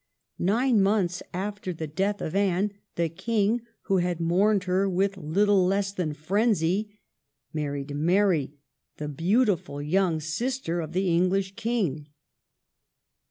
Nine months after the death of Anne, the King, who had mourned her with little less than frenzy, married Mary, the beautiful young sister of the English King.